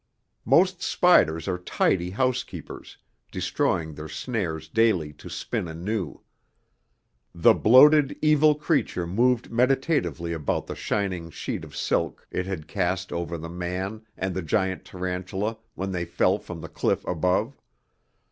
Most spiders are tidy housekeepers, destroying their snares daily to spin anew. The bloated, evil creature moved meditatively about the shining sheet of silk it had cast over the man and the giant tarantula when they fell from the cliff above.